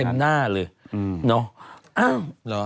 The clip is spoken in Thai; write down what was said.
เต็มหน้าเลยเนาะ